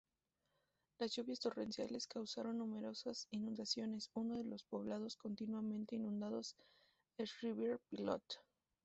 Las lluvias torrenciales causaron numerosas inundaciones, uno de los poblados completamente inundados es Riviere-Pilote.